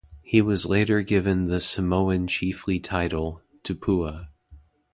He was later given the Samoan chiefly title "Tupua".